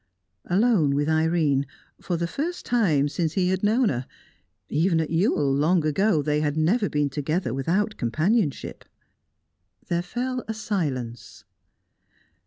Alone with Irene, for the first time since he had known her; even at Ewell, long ago, they had never been together without companionship. There fell a silence.